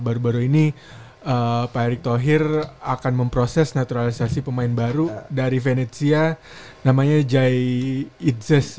baru baru ini pak erick thohir akan memproses naturalisasi pemain baru dari venezia namanya jai idzes